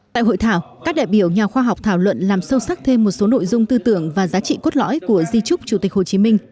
tại hội thảo các đại biểu nhà khoa học thảo luận làm sâu sắc thêm một số nội dung tư tưởng và giá trị cốt lõi của di trúc chủ tịch hồ chí minh